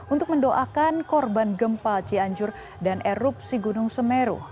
untuk mendoakan korban gempa cianjur dan erupsi gunung semeru